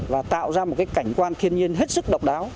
và tạo ra một cái cảnh quan thiên nhiên hết sức độc đáo